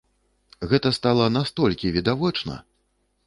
Гэта стала настолькі відавочна!